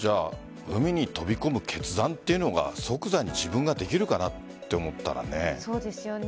海に飛び込む決断というのを即座に自分ができるかなとそうですよね。